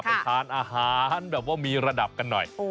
ไปทานอาหารแบบว่ามีระดับกันหน่อย